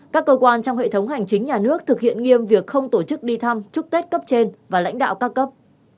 các cơ quan trong hệ thống hành chính nhà nước thực hiện nghiêm việc không tổ chức đi thăm chúc tết cấp trên và lãnh đạo ca cấp